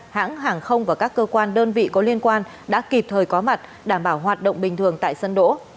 hãng hàng không và các cơ quan đơn vị có liên quan đã kịp thời có mặt đảm bảo hoạt động bình thường tại sân đỗ